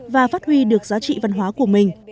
và phát huy được giá trị văn hóa của mình